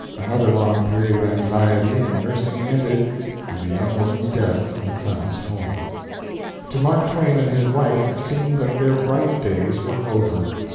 Another long period of anxiety and nursing ended with the young woman's death in the Clemens home. To Mark Twain and his wife it seemed that their bright days were over.